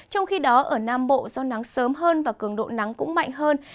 trong khi đó ở nam bộ do nắng sớm hơn và cường độ nắng cũng mạnh hơn